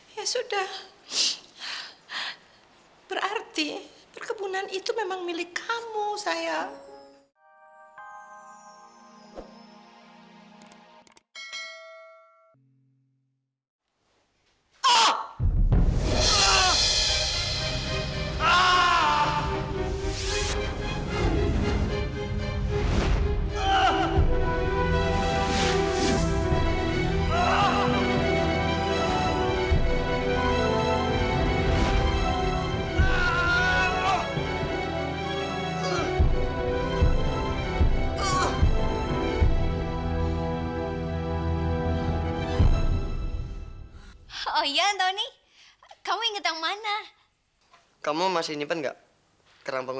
ya sudah berarti perkebunan itu memang milik kamu sayang